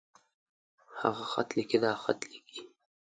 هغۀ خط ليکي. دا خط ليکي.